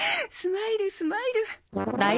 スマイルスマイル